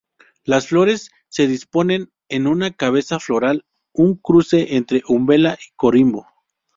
Las flores se disponen en una cabeza floral, un cruce entre umbela y corimbo.